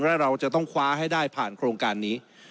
และเราจะต้องคว้าให้ได้ผ่านโครงการนี้